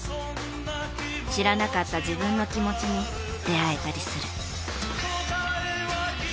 知らなかった自分の気持ちに出会えたりする。